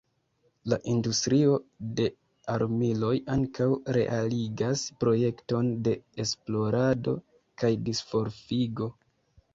La industrio de armiloj ankaŭ realigas projektojn de esplorado kaj disvolvigo.